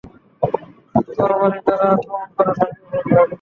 তরবারী দ্বারা আক্রমণ করে ঝাঁপিয়ে পড়লেন।